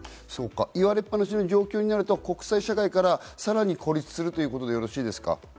言われっ放しの状況になると国際社会からさらに孤立するということでよろしいですか？